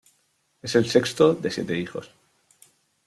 Es el sexto de siete hijos.